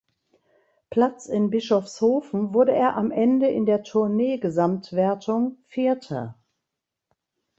Platz in Bischofshofen wurde er am Ende in der Tournee-Gesamtwertung Vierter.